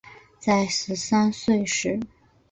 在十三岁时